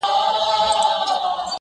زه زما او ستا و دښمنانو ته.